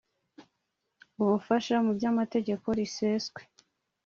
Ubufasha mu by Amategeko riseswe